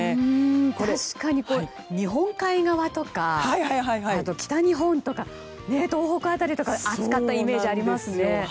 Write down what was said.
確かに、日本海側とか北日本とか東北辺りが暑かったイメージがありますね。